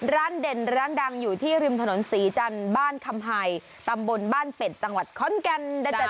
เด่นร้านดังอยู่ที่ริมถนนศรีจันทร์บ้านคำไห่ตำบลบ้านเป็ดจังหวัดขอนแก่น